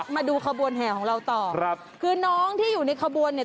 มาดูขบวนแห่ของเราต่อครับคือน้องที่อยู่ในขบวนเนี่ย